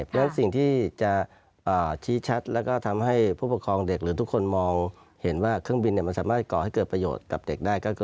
แล้วสิ่งที่จะชี้ชัดแล้วก็ทำให้ผู้ปกครองเด็กหรือทุกคนมองเห็นว่าเครื่องบินมันสามารถก่อให้เกิดประโยชน์กับเด็กได้